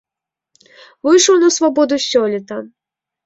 Выйшаў на свабоду сёлета.